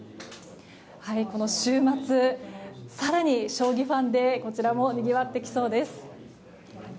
この週末、更に将棋ファンでこちらもにぎわってきそうです。